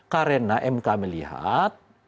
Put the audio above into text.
karena mk melihat